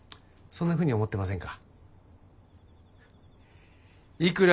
そんなふうに思ってませんか？